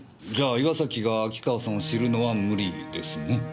じゃあ岩崎が秋川さんを知るのは無理ですね。